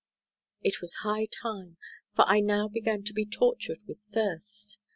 It was high time, for I now began to be tortured with thirst.